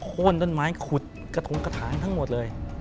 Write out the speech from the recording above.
โค้นต้นไม้ขุดกระถงกระถางทั้งหมดเลย